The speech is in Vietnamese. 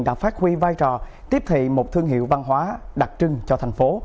đã phát huy vai trò tiếp thị một thương hiệu văn hóa đặc trưng cho thành phố